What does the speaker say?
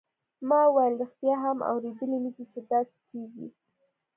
ما وویل ریښتیا هم اوریدلي مې دي چې داسې کیږي.